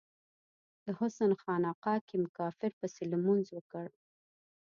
د حسن خانقا کې می کافر پسې لمونځ وکړ